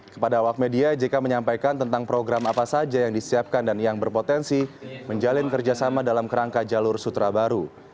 kepada awak media jk menyampaikan tentang program apa saja yang disiapkan dan yang berpotensi menjalin kerjasama dalam kerangka jalur sutra baru